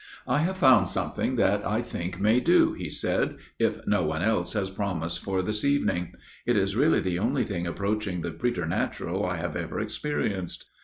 " I have found something that I think may do," he said, " if no one else has promised for this evening. It is really the only thing approaching the preternatural I have ever experienced."